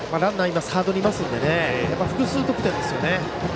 今、サードにいますので複数得点ですよね。